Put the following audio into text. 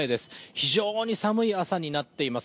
非常に寒い朝になっています。